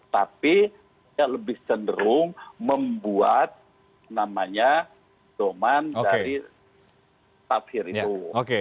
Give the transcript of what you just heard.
tapi lebih cenderung membuat doman dari tafsir itu